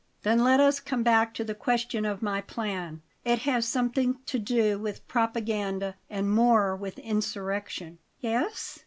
"Then let us come back to the question of my plan; it has something to do with propaganda and more with insurrection." "Yes?"